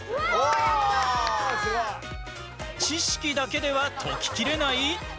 知識だけでは解ききれない！？